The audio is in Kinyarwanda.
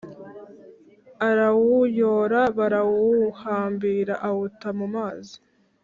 arawuyora barawuhambira awuta mu mazi